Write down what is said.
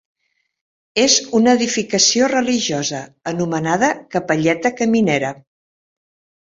És una edificació religiosa anomenada capelleta caminera.